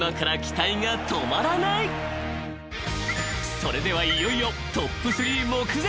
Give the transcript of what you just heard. ［それではいよいよトップ３目前］